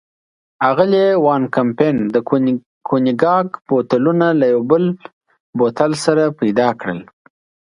اغلې وان کمپن د کونیګاک بوتلونه له یو بل بوتل سره پيدا کړل.